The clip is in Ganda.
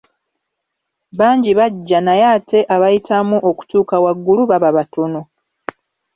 Bangi bajja naye ate abayitamu okutuuka waggulu baba batono.